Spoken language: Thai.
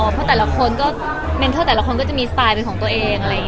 เพราะแต่ละคนก็เมนเทอร์แต่ละคนก็จะมีสไตล์เป็นของตัวเองอะไรอย่างนี้